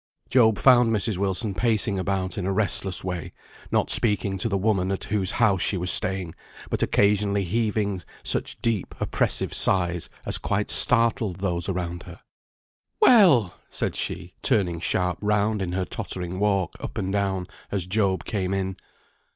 Job found Mrs. Wilson pacing about in a restless way; not speaking to the woman at whose house she was staying, but occasionally heaving such deep oppressive sighs as quite startled those around her. "Well!" said she, turning sharp round in her tottering walk up and down, as Job came in.